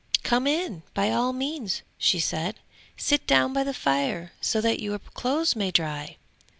'Come in, by all means!' she said; 'sit down by the fire so that your clothes may dry!'